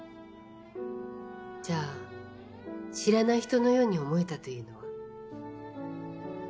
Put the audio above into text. じゃあ知らない人のように思えたというのは？